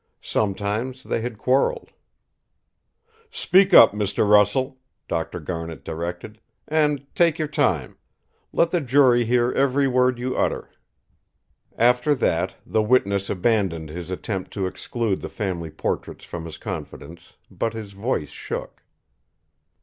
Sometimes, they had quarrelled. "Speak up, Mr. Russell!" Dr. Garnet directed. "And take your time. Let the jury hear every word you utter." After that, the witness abandoned his attempt to exclude the family portraits from his confidence, but his voice shook.